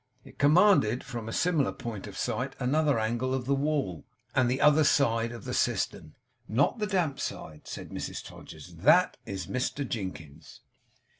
It commanded from a similar point of sight another angle of the wall, and another side of the cistern. 'Not the damp side,' said Mrs Todgers. 'THAT is Mr Jinkins's.